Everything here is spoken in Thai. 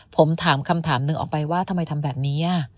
ผมถามคำถามหนึ่งออกไปว่าทำไมทำแบบนี้